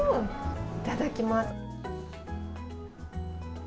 いただきます。